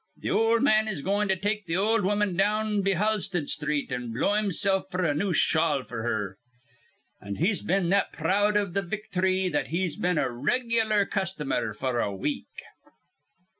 'Th' ol' man is goin' to take th' ol' woman down be Halsted Sthreet' an' blow himsilf f'r a new shawl f'r her.' "An' he's been that proud iv th' victhry that he's been a reg'lar customer f'r a week." ON EXPERT TESTIMONY.